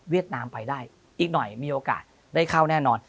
นามไปได้อีกหน่อยมีโอกาสได้เข้าแน่นอน